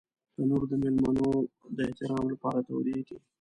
تنور د مېلمنو د احترام لپاره تودېږي